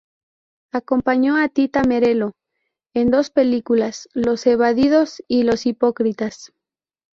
Acompañó a Tita Merello en dos películas, "Los evadidos" y "Los hipócritas".